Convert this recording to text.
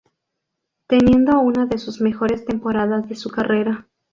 Teniendo una de sus mejores temporadas de su carrera.